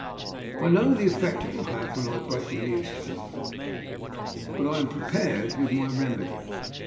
"I know the effect it will have when I break the news to her, but I am prepared with my remedy.